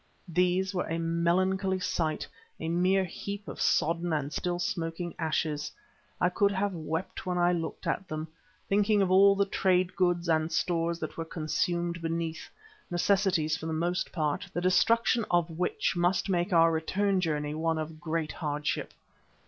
These were a melancholy sight, a mere heap of sodden and still smoking ashes. I could have wept when I looked at them, thinking of all the trade goods and stores that were consumed beneath, necessities for the most part, the destruction of which must make our return journey one of great hardship.